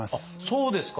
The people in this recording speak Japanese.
そうですか。